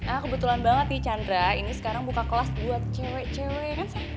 ah kebetulan banget nih chandra ini sekarang buka kelas buat cewe cewe kan